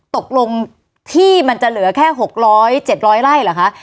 ตกลงที่มันจะเหลือแค่๖๐๐๗๐๐ไร่เหรอคะ